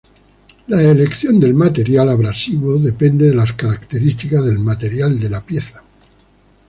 La elección del material abrasivo depende de las características del material de la pieza.